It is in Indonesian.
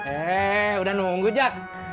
eh udah nunggu jak